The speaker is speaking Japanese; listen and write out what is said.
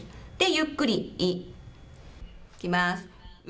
ゆっくり、い。いきます。